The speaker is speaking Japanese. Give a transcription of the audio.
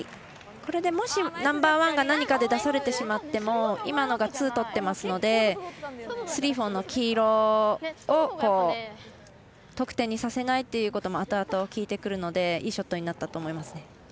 これでもしナンバーワンが何かで出されてしまっても今のがツー取ってますのでスリー、フォーの黄色を得点にさせないということもあとあと、きいてくるのでいいショットになったと思います。